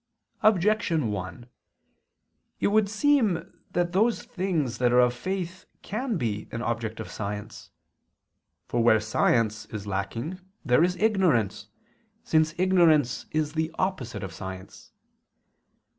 Objection 1: It would seem that those things that are of faith can be an object of science. For where science is lacking there is ignorance, since ignorance is the opposite of science.